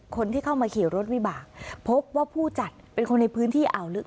คนที่เข้ามาขี่รถวิบากพบว่าผู้จัดเป็นคนในพื้นที่อ่าวลึก